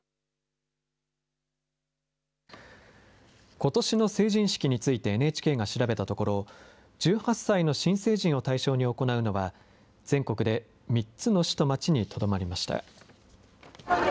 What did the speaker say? ことしの成人式についてＮＨＫが調べたところ、１８歳の新成人を対象に行うのは、全国で３つの市と町にとどまりました。